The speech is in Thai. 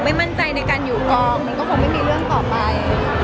ไม่มั่นใจในการอยู่กองมันก็คงไม่มีเรื่องต่อไป